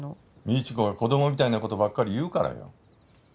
未知子が子どもみたいな事ばっかり言うからよ。